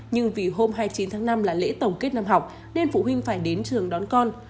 nhưng vì hôm hai mươi chín tháng năm là lễ tổng kết năm học nên phụ huynh phải đến trường đón con